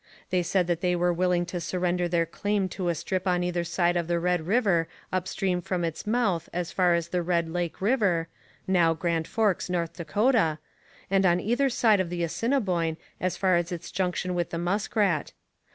They said that they were willing to surrender their claim to a strip on either side of the Red River up stream from its mouth as far as the Red Lake river (now Grand Forks, North Dakota), and on either side of the Assiniboine as far as its junction with the Muskrat.